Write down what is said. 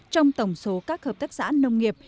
trong tổng số các hợp tác xã nông nghiệp